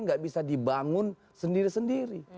nggak bisa dibangun sendiri sendiri